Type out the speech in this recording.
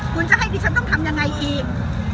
คุณจะให้ดิฉันต้องทำยังไงอีก